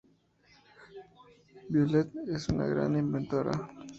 Violet es una gran inventora.